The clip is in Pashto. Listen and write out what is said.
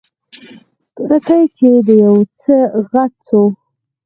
تورکى چې يو څه غټ سو.